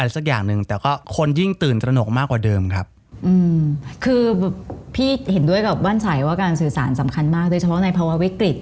ซึ่งว่าพี่เห็นด้วยกับว่าว่านชัยว่าการสื่อสารสำคัญมากเฉพาะในภาวะวิกฤติ